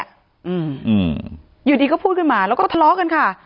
อืมอยู่ดีก็พูดขึ้นมาแล้วก็ทะเลาะกันค่ะ